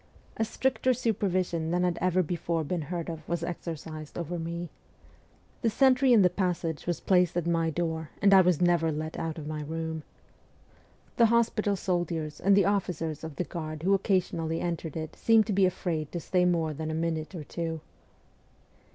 A stricter supervision than had ever before been heard of was exercised over me. The sentry in the passage was placed at my door, and I was never let out of my room. The hospital soldiers and the officers of the guard who occasionally entered it seemed to be afraid to stay more than a minute or two.